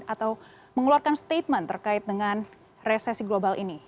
atau mengeluarkan statement terkait dengan resesi global ini